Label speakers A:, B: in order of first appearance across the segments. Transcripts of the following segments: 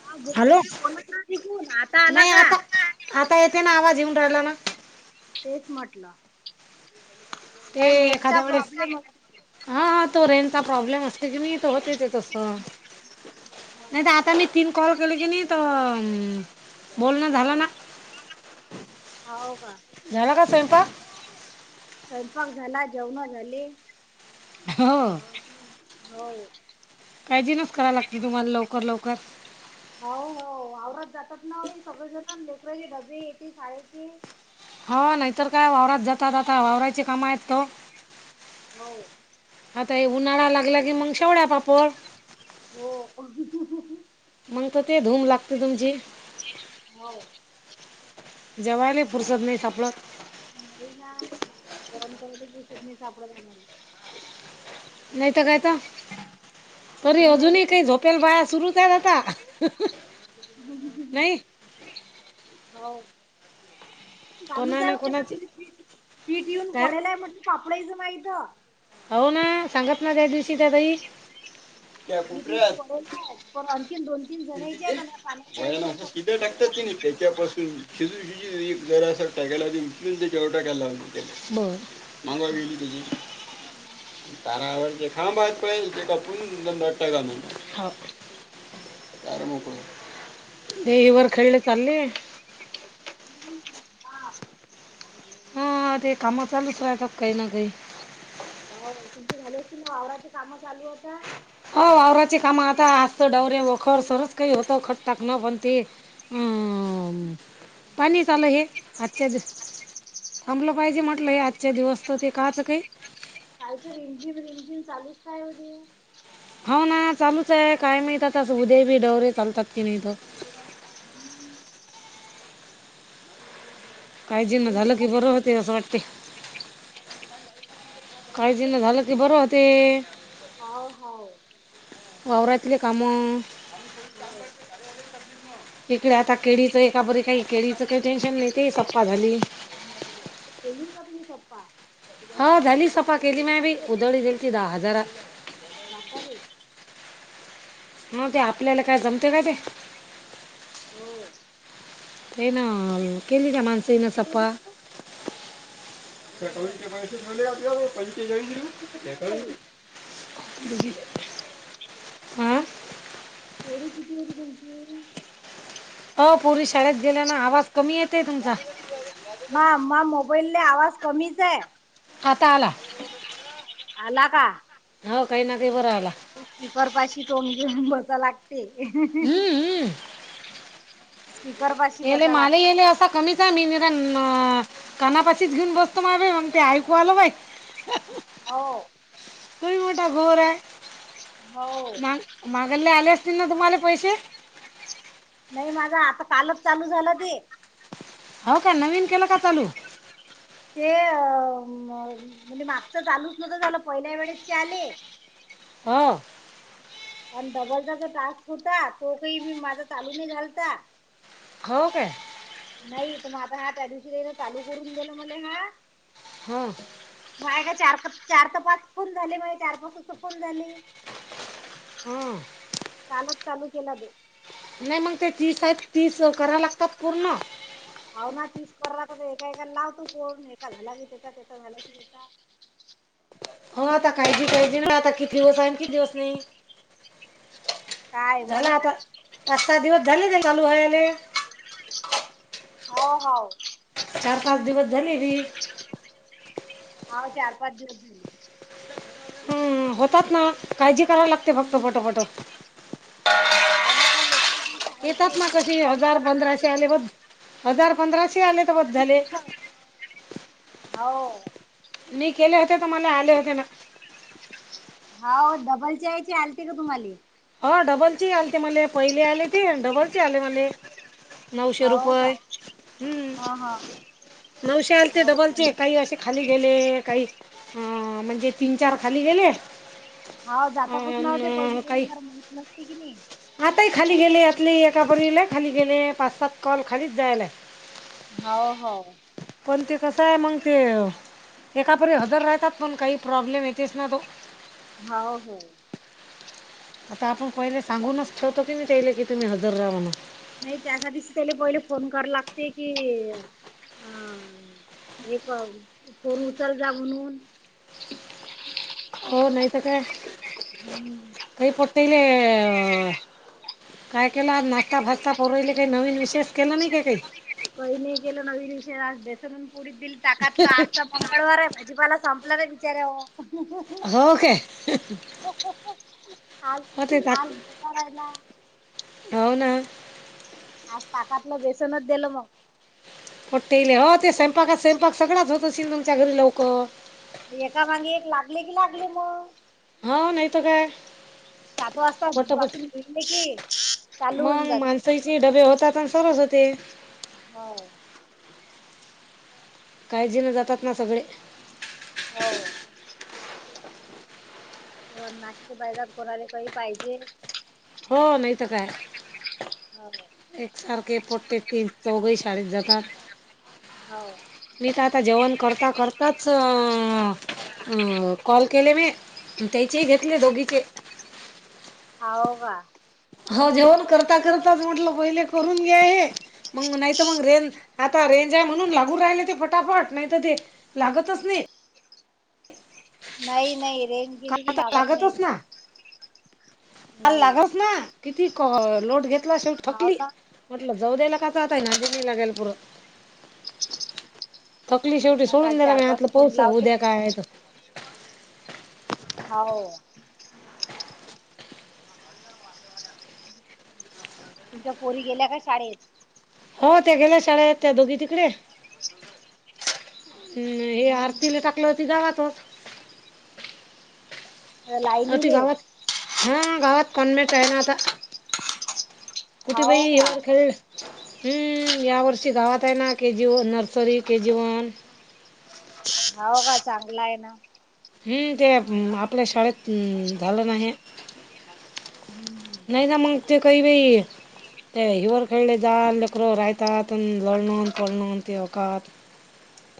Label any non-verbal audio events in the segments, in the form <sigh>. A: हा ग
B: हॅलो
A: तुम्ही बोलत राहा तिकून, आता आला का?
B: आता येतय ना आवाज येऊन राहिला ना.
A: तेच म्हटलं,
B: ते
A: काय नेटचा
B: एखाद्या वेळेस
A: प्रॉब्लेम- असतो
B: हा हा तो रेंज चा प्रॉब्लेम असतो की नय तो होतय ते तस, नाय त आता मी तीन कॉल केले की नी त बोलण झालं ना
A: हाव का
B: झाला का स्वयंपाक?
A: स्वयंपाक झाला जेवणं झाली.
B: हो.
A: हो.
B: काळजी नच कराव लागत तुम्हाला लवकर लवकर
A: हाव हाव वावरात जातात ना ही सगळे जण लेकराचे डबे येती शाळेची
B: हो नाहीतर काय वावरात जातात आता वावराची काम आहेत का ओ
A: न्हवे
B: आता हे उन्हाळा लागला की मंग शेवड्या पापड
A: हो.
B: मंग त ते धूम लागते तुमची.
A: हाव
B: जेवायलाही फुरसत नाय सापडत.
A: नाही ना गरम केलेलं दिसत नाही सापडणा झालय.
B: नाय त काय तो तरी
A: तुम्ही नाही
B: अजूनही
A: घेतलं
B: काय झोप
A: का
B: तेल बाया सुरू ये का?
A: हूं हूं हूं हूं हूं हाव
B: कोणा
A: चालूच हाय
B: ना कोणाची
A: म्हणजे पीठ येऊन
B: काय
A: पडेलय म्हटलंय पापडाईच माहीत
B: हाव ना सांगत ना त्या दिवशी त्या ताई त्या
A: मी <unintelligible>
B: कोपऱ्यात
A: पडेलाय पण आणखीन दोन तीन जणीचे
B: विजेचे
A: कनाय
B: वळण असं
A: पानाची
B: सीधं टाकतात की
A: <unintelligible>
B: नाही त्याच्यापासून <unintelligible> जरासा टाकायला <unintelligible> टाकायला लाव त्याळे बरं मांगवा वेळी <unintelligible> त्यांना आवडतंय खा मग <unintelligible> ते हे वरखेळले चालले. हा ते काम चालूच रायतात काही ना काही
A: हो तुमची झाली अस ना वावराची काम चालू आता.
B: हो वावराची काम आता असतं डवरे वखर सुरूच काही होत खत टाकनं पण ती हम्म पाणी चालू ये आजच्या दि थांबलं पाहिजे म्हटलं हे आजच्या दिवस त ते काआचं काई
A: कालच रिमझिम रिमझिम चालूच काय ओ ते
B: हो ना चालूच ये काय माहीत आता असं उद्या बी दवरे चालतात की नाय इथं काळजी न
A: पोरी
B: झालं की
A: गेल्या का
B: बरं
A: नाही?
B: होतय असं वाटतंय. काळजी न झालं की बरं होते.
A: हाव हा
B: वावरातली कामं
A: हो
B: इकडे आता केळीच एका बरी काही केळीच काही टेन्शन नाही ते सपा झाली.
A: संपप्पा
B: हा झाली सफा केली म्या बी उधळी गेली ती दहा हजारा.
A: बाप्पारे
B: मग ते आपल्याला काय जमते काय ते?
A: हो
B: हो ना केली त्या माणसे ना
A: किती
B: सप्पा. सटवायचे पैसे ठेवले आप
A: होती ताई
B: <unintelligible> बघीतल
A: थोडे किती होते. <unintelligible> की
B: हो पोरी शाळेत गेल्या ना आवाज कमी येतय तुमचा.
A: म मा मोबाईले आवाज कमीच आहे.
B: आता आला.
A: आला का?
B: हो काही ना काही बरा आला.
A: स्पपाशी तोंड घेऊन मसा लागते.
B: हम्म हम्म
A: <unintelligible> कर
B: येले माले येले असा कमीच मी नि कानापाशीच घेऊन बसतो म ते आयकू आल बाई.
A: हो
B: तो ही मोठा घोर आहे
A: हो
B: मग. मागल्ले आले असतील ना तुम्हाले पैसे?
A: नाही माझा आता कालच चालू झाल ते.
B: हो का नवीन केल का चालू?
A: ते अ म्हणजे मागचे चालूच नव्हत झाल पहिल्या वेळेस चे आले.
B: हो
A: आणि डबलचा जो टास्क होता तो काही बी माझा चालूू नाही झालता.
B: हो काय
A: नाही तर मग आता त्या दिवशी चालू करून दिलेल मले हा.
B: हां
A: माये काय चार पाच चार तर पाच फोन झाले म्ह चार पाच अस फोन झाले.
B: हम्म
A: कालच चालू केला तो.
B: नाही मग ते तीस आहेत तीस करा लागतात पूर्ण.
A: हाव ना तीच करा एका एकाला लावतो फोन एका झाला की त्याचा त्याचा झाला कि तेचा.
B: हो आता काळजी काळजी नाही आता किती दिवस आहे आण किती दिवस नाही.
A: काय
B: झाला
A: माहित
B: आता पाच सहा दिवस झाले ते चालू वयाने.
A: हो हो
B: चार पाच दिवस झाले बी.
A: हाव चार पाच दिवस झाले.
B: हम्म, होतात ना काळजी करावी लागते फक्त पटोपटो.
A: हो ना राहिले पाहून करायला लागले.
B: हे बघ हजार पंधराशे आले तर बस झाले.
A: हो
B: मी केले होते तर मला आले होते ना.
A: हां मग डबलच्या याचे आलते का तुम्हाला?
B: हो डबलचे आलते मले पहिले आलते डबलचे आले मले. नऊशे
A: हाव का?
B: रुपये हम्म.
A: हा हा.
B: नऊशे आलते
A: हाव का
B: डबलचे
A: नाही?
B: काही असे खाली गेले काही म्हणजे तीन चार खाली गेले.
A: हो जातातच नाओ ते पहिली
B: अन
A: पहिली
B: काही
A: फार माहित नसती की नाही.
B: आताही खाली गेले यातली एका पोरीला खाली गेले पाच सात कॉल खालीच जायला.
A: हो हो
B: पण ते कसय मंग ते एकापरी हजर राहतात पण काही प्रॉब्लेम येतेस ना तो.
A: हो की
B: आता आपण पहिले सांगूनच ठेवतो की तेले की तुम्ही हजर रहा म्हणून.
A: नाही त्यासाठीच त्याले पहिले फोन करा लागते की हां. एक फोन उचलजा म्हणून.
B: हो नाही तर काय.
A: हम्म
B: काही पोटेले काय केलं आज नाश्ताफाष्टा पोराले काही नवीन विषेष केला नाही काय काही?
A: कही नाही केल नवी विशेष आ बेसन आणि पोळी दिली ताकातलं आज मंगळवार आहे भाजीपाला संपला रे बीचार्याओ
B: हो काय
A: आज
B: हो ते टाक
A: आज करायला.
B: हो ना
A: आज ताकातलं बेसनच दिल मग.
B: पोट्टेई हो ते स्वयंपाकात स्वयंपाक सगळच होत असेल तुमच्या घरी लवकर.
A: एका मागे एक लागले की लागले मग.
B: हो नाहीतर काय.
A: सात वाजता
B: पटापट
A: पासून घतले की चालू होऊन जाते.
B: <unintelligible> चे डबे होतात आणि सारच होते.
A: हो
B: काळजी न जातात ना सगळे.
A: हो नाशते बायजात कोणाला पोहे पाहिजेत.
B: हो नाही तर काय
A: हो
B: एक सारखे पोट्टे तीन चौघही शाळेत जातात.
A: हो
B: मी तर आता जेवण करता करताच कॉल केले मी. त्यायचे घेतले दोघीचे.
A: हाव का.
B: हो जेवण करता करताच म्हटल पहिले करून घ्या हे. मग नाहीत मग रेंज आता रेंज आहे म्हणून लागू राहिले ते फटाफट नाहीतर ते लागतच नाही.
A: नाही नाही रेंज गेली की
B: काल तर
A: लागत नाही
B: लागतच ना
A: ते
B: काल
A: नाही.
B: लागच ना किती क लोट घेतला शेवटी
A: हो
B: थकली.
A: ना
B: म्हटलं जाऊ द्यायला काचाताय नाय <unintelligible> लागेल पुर थकली शेवटी
A: मग
B: सोडून
A: काल
B: दिला
A: चार
B: म आतलं
A: पाच फोन
B: पाोउच उद्या काय
A: लावले
B: आय तो
A: हाव तुमच्या पोरी गेल्या काय शाडेत
B: हो त्या गेल्या शाळेत त्या दोघी तिकडे हम्म हे आरतीला
A: हम्म
B: टाकलं ती गावातच अ ती
A: लायनीले
B: गावात हम्म गावात कॉन्मेट हाय ना आता कुठे
A: हाव
B: बाई
A: का
B: वरखळ हम्म यावर्षी गावात हाय ना K G nursery K G one
A: हाव का चांगला हाय ना
B: हूं ते आपल्या शाळेत झालं ना हे
A: हूं हम्म
B: नाय ना मंग ते काई बाई ते हिंवर खेळले जाल लेकर रायतात अनं लोळणन पोळनोन ते वकात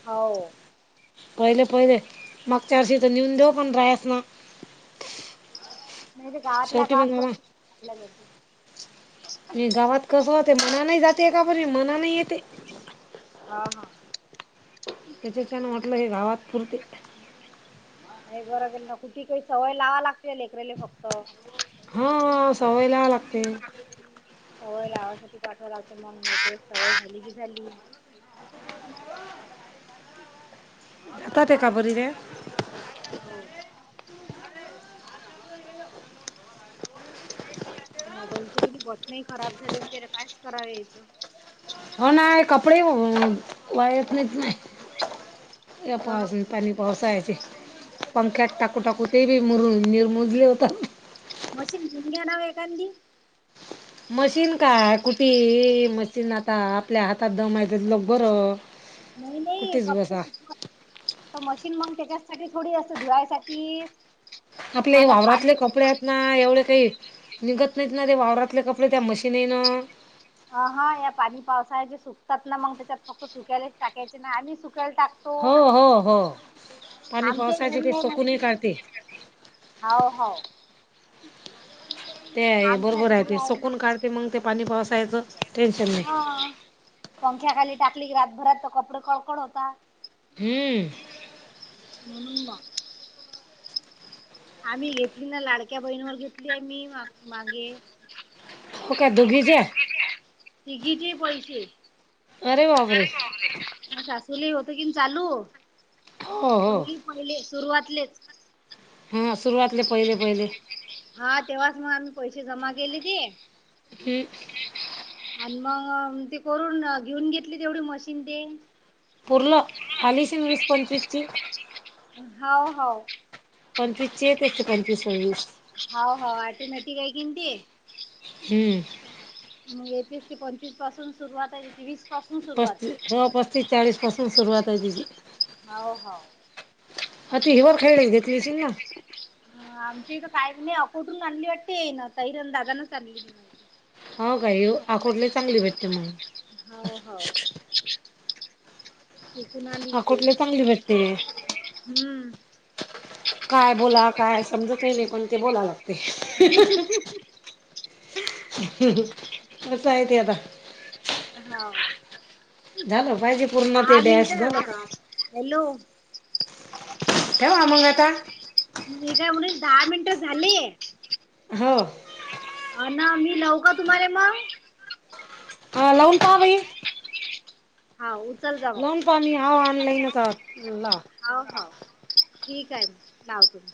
A: हाव
B: पहिले पहिले मागच्याा वर्षी त न्यून देऊ पण रायास न
A: नाय त गावातला
B: शेवटी मग
A: गावात
B: गावा
A: पण लगती
B: ये गावात कस होतय मनाने जातय का पोरी मनान येतय.
A: हा हा
B: तिच्याच्यान वाटलं हे गावात पुरते.
A: नाय बरं केलं कुठे काय सवय लावा लागते लेकरले फक्त
B: हं हं सवय लावाय लागते.
A: हो लावासाठी पाठवाव लागत मंग <unintelligible> सवय झाली की झाली.
B: <unintelligible>
A: हाव हा मोबाईलचे कनी बटनही खराब झाले बिचारे कायच कराव यायचं.
B: हो ना ये कपडे ही वाळतयेत नाय या
A: हो.
B: पावसानी पाणी पावसाळ्यात चे पंख्यात टाकू टाकू ते बी मुरून निरमूजले होतात.
A: मशीन घेऊन घ्या ना ओ एखांदी
B: मशीन काय कुठी ये मशीन आता आपल्या हातात दम हाय तिथलक बरं
A: नाई नाई
B: कुठेच
A: कपडे
B: बसा
A: सुकवा त मशीन मंग त्याच्यासाठी थोडी असत धुवायसाठी
B: आपले ये
A: मग आता पाणी
B: वावरातले कपडे यात ना एवढे काई निघत नाहीत ना ते वावरातले कपडे त्या मशीनीनं
A: अ हा या पाणी पावसाचे सुकतात ना मंग त्याच्यात फक्त सुकयलाच टाकायचे ना आम्ही सुक्यायला टाक
B: हो हो हो पाणी
A: आमच्या
B: पावसाळ्याचे
A: घरी
B: ते सुकूनही काढते.
A: हाव हाव
B: ते आहे
A: आमच्या
B: बरोबर आहे
A: घरी
B: ते
A: ना
B: सुकून काढते मंग ते पाणी पावसायचं टेन्शन नाय.
A: हा पंख्याखाली टाकली की रातभरात तर कपडे कडकड होता.
B: हूं
A: म्हणून बा आम्ही घेतली ना लाडक्या बहिणीवर घेतली आम्ही मा मागे
B: हो काय दोघीच्या
A: तिघी चे ही पैसे, अरे बाप रे! म सासूलेही होत की ना चालू
B: हो हो
A: पहिली पहिले सुरुवातलेच
B: हां सुरुवातले पहिले पहिले
A: हा तेव्हाच मग आम्ही पैसे जमा केले ते
B: हम्
A: आणि मग ते करून घेऊन घेतली तेवढी मशीन ते
B: पूर्ण आली असीन वीस पंचवीसची?
A: हाव, हाव
B: पंचवीसची येते, पंचवीस सव्वीस
A: हाव हाव ऑटोमॅटिक हाय की नाय ती?
B: हम्म
A: मग एकवीस ते पंचवीस पासून सुरुवात हाय त्याची वीस पासून सुरुवात आहे.
B: पस्तीस, चाळीस पासून सुरुवातय त्याची
A: हाव हाव
B: अति हिवरखेडले च घेतली अशील ना?
A: ह आमची इथ काय नायीच आकुठवरनं आणली वाटते ये ताईनं दादानेच आणली
B: हो काय? आकोटला चांगली, भेटते मग
A: हाव हाव तिकून आणली ते
B: अकोटले चांगली भेटते
A: हं
B: काय बोला काय समजतही नायी पण ते बोलावं लागतंय असंय ते आता
A: हाव
B: झालं पाहिजे पूर्ण ते
A: दहा
B: डॅश
A: मिनिटं
B: झालं
A: झा
B: काम
A: हॅलो!
B: ठेवा मंग आता
A: मी काय म्हणेल दहा मिनिटं झाले
B: हो
A: अणं मी लवुका तुम्हाला मग?
B: हा लावून पाहा बाई
A: हा उचल जा म
B: आम्ही हाव ऑनलाईनच आहोव, लावा
A: हाव हाव ठीकय म लावते